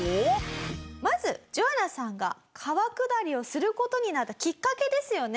まずジョアナさんが川下りをする事になったきっかけですよね。